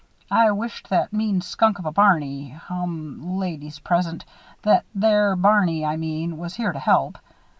"I wisht that mean skunk of a Barney hum, ladies present that there Barney, I mean, was here to help.